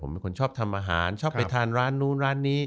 ผมเป็นคนชอบทำอาหารชอบไปทานร้านนู้นร้านนี้